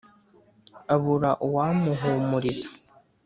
abura uwamuhumuriza,